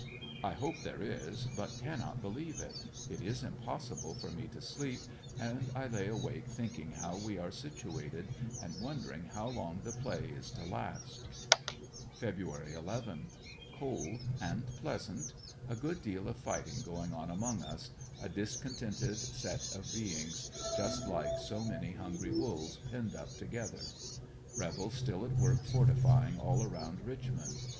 I hope there is but cannot believe it. It is impossible for me to sleep and I lay awake think ing how we are situated and wondering how long the play is to last. Feb. 11. — Cold and pleasant. A good deal of fighting going on among us— a discontented set of beings; just like so many hungry wolves penned up together. Rebels still at work fortifying all around Richmond.